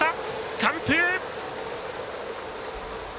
完封！